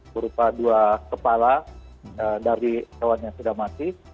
berupa dua kepala dari hewan yang sudah mati